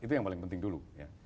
itu yang paling penting dulu